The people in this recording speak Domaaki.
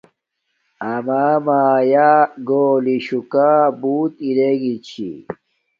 امݳ مݳیݳ گݸلݵ شُکݳ بݸت شݳ رݵگݵ چھݵ.